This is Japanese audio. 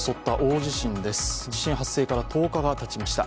地震発生から１０日がたちました。